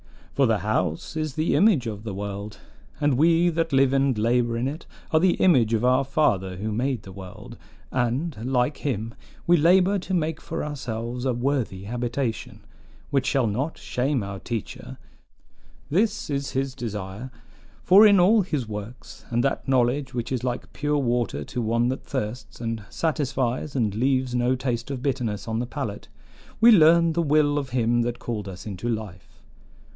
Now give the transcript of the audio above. "For the house is the image of the world, and we that live and labor in it are the image of our Father who made the world; and, like him, we labor to make for ourselves a worthy habitation, which shall not shame our teacher. This is his desire; for in all his works, and that knowledge which is like pure water to one that thirsts, and satisfies and leaves no taste of bitterness on the palate, we learn the will of him that called us into life.